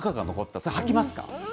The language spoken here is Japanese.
それ、はきますか？